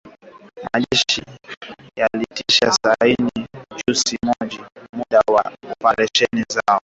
Majeshi yalitia saini Juni mosi kuongeza muda wa operesheni zao